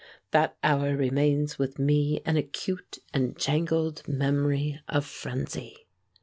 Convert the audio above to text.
That hour remains with me an acute and jangled memory of frenzy.